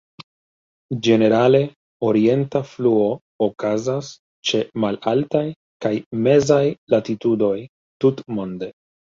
Ĝenerale, orienta fluo okazas ĉe malaltaj kaj mezaj latitudoj tutmonde.